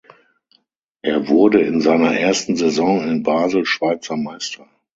Er wurde in seiner ersten Saison in Basel Schweizer Meister.